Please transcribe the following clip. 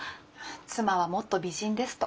妻はもっと美人ですと。